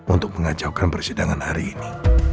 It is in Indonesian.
untuk mengacaukan persidangan hari ini